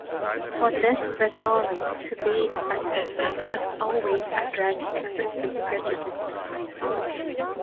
For this rhetoric to be effective, it must always address existing prejudices.